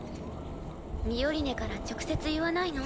ミオリネから直接言わないの？